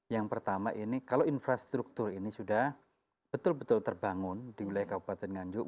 yang pertama ini kalau infrastruktur ini sudah betul betul terbangun di wilayah kabupaten nganjuk